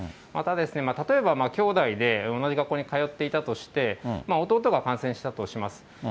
また、例えば、きょうだいで同じ学校に通っていたとして、弟が感染したとします。